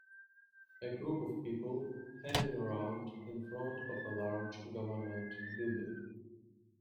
A group of people hanging around in front of a large government building.